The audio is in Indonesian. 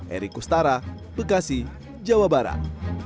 eri kustara bekasi jawa barat